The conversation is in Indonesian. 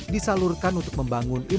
disalurkan untuk membangun ilmu kesehatan